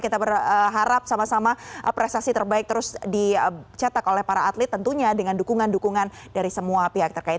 kita berharap sama sama prestasi terbaik terus dicetak oleh para atlet tentunya dengan dukungan dukungan dari semua pihak terkait